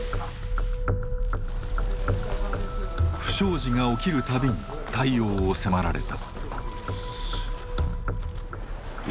不祥事が起きる度に対応を迫られた。